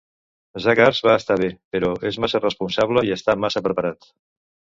Zagars va estar bé, però és massa responsable i està massa preparat.